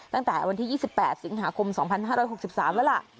ตั้งแต่วันที่๒๘สิงหาคม๒๕๖๓แล้วล่ะ